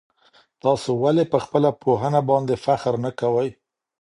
تاسو ولي په خپله پوهنه باندي فخر نه کوئ؟